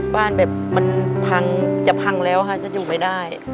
บ้านแบบมันพังจะพังแล้วค่ะจะอยู่ไม่ได้